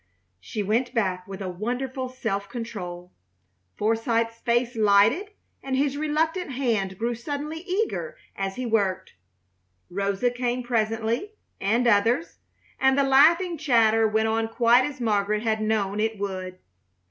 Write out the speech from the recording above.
She went back with a wonderful self control. Forsythe's face lighted, and his reluctant hand grew suddenly eager as he worked. Rosa came presently, and others, and the laughing chatter went on quite as Margaret had known it would.